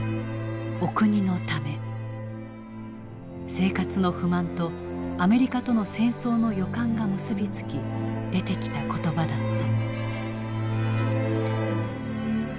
生活の不満とアメリカとの戦争の予感が結び付き出てきた言葉だった。